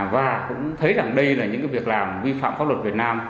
và cũng thấy rằng đây là những việc làm vi phạm pháp luật việt nam